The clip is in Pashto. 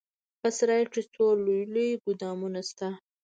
په سراى کښې څو لوى لوى ګودامونه سته.